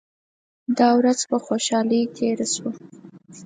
دا ورځ په خوشالۍ تیره شوه.